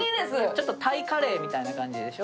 ちょっとタイカレーみたいな感じでしょ。